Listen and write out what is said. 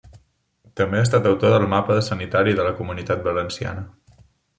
També ha estat autor del Mapa Sanitari de la Comunitat Valenciana.